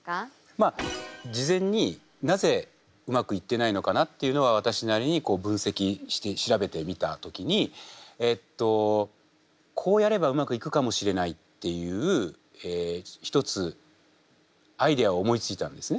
まあ事前になぜうまくいってないのかなっていうのは私なりにこう分析して調べてみた時にえっとこうやればうまくいくかもしれないっていう一つアイデアを思いついたんですね。